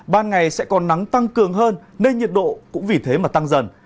ban ngày sẽ còn nắng tăng cường hơn nên nhiệt độ cũng vì thế mà tăng dần